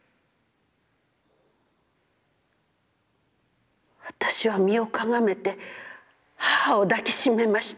私は身をかがめて母を抱きしめました。